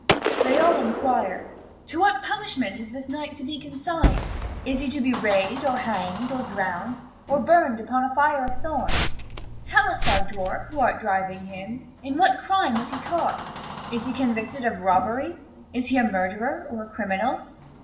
They all inquire: "To what punishment is this knight to be consigned? Is he to be rayed, or hanged, or drowned, or burned upon a fire of thorns? Tell us, thou dwarf, who art driving him, in what crime was he caught? Is he convicted of robbery? Is he a murderer, or a criminal?"